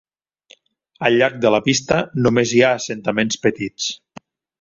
Al llarg de la pista només hi ha assentaments petits.